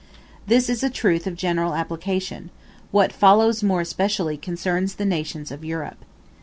This is a truth of general application; what follows more especially concerns the nations of Europe.